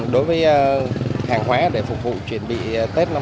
đối với hàng hóa để phục vụ chuyển bị tết năm hai nghìn hai mươi bốn